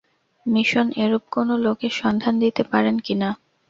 Mission এরূপ কোনো লোকের সন্ধান দিতে পারেন কি না?